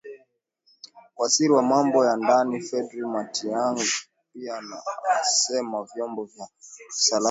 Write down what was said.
Waziri wa Mambo ya Ndani Fred Matiangi pia amesema vyombo vya usalama vimeimarishwa kuhakikisha usalama katika uchaguzi na nchi